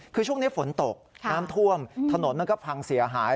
คือช่วงนี้ฝนตกน้ำท่วมถนนมันก็พังเสียหาย